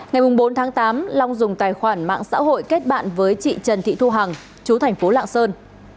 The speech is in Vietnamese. ngày bốn tháng tám long dùng tài khoản mạng xã hội kết bạn với chị trần thị thu hằng chú thành phố lạng sơn